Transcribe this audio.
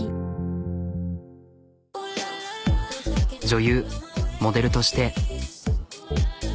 女優モデルとして。